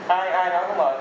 ai nói không mời